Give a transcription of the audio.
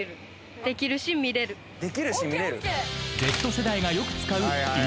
［Ｚ世代がよく使う］